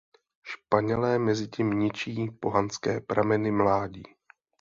Španělé mezitím ničí pohanské prameny mládí.